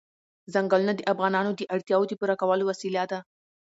ځنګلونه د افغانانو د اړتیاوو د پوره کولو وسیله ده.